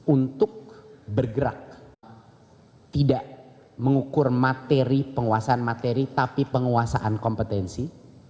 untuk bergerak tidak mengukur materi penguasaan materi tapi penguasaan kompetensi